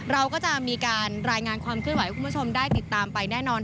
เราก็จะมีการรายงานความเคลื่อนไหวให้คุณผู้ชมได้ติดตามไปแน่นอน